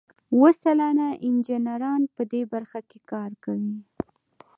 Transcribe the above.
اوه سلنه انجینران په دې برخه کې کار کوي.